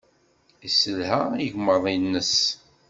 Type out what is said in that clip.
Yesselha igmaḍ-nnes.